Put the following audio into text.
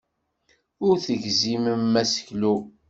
Ur tegzimem aseklu.